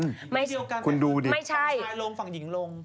ฝั่งชายลงฝั่งหญิงลง